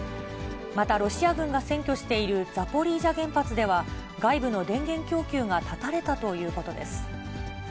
またロシア軍が占拠しているザポリージャ原発では、外部の電源供給が断たれたということです。